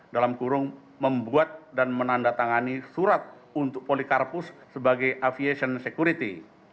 dalam kurung membuat dan menandatangani surat untuk polikarpus sebagai aviation security